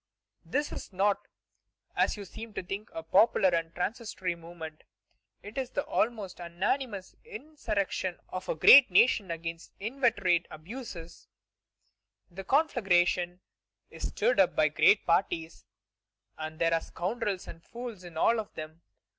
This is not, as you seem to think, a popular and transitory movement. It is the almost unanimous insurrection of a great nation against inveterate abuses. The conflagration is stirred up by great parties, and there are scoundrels and fools in all of them.